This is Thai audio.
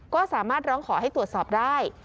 ก็สามารถร้องขอให้ตรวจสอบได้